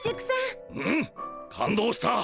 うん感動した！